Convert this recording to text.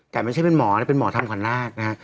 แต่ไม่ใช่เป็นหมอแต่เป็นหมอท่องขวานลาก